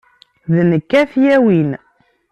D nekk ara t-yawin.